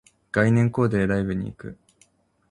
概念コーデでライブに行く